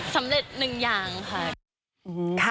สำเร็จหนึ่งอย่างค่ะ